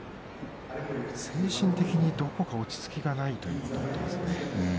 精神的にどこか落ち着きがないということを言っていますね。